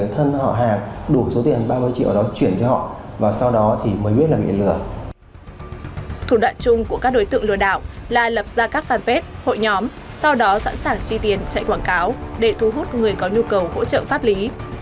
thủ đoạn chung của các đối tượng lừa đảo là lập ra các fanpage hội nhóm sau đó sẵn sàng chi tiền chạy quảng cáo để thu hút người có nhu cầu hỗ trợ pháp lý